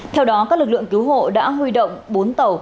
theo đó các lực lượng cứu hộ đã huy động bốn tàu